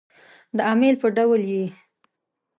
د امیل په ډول يې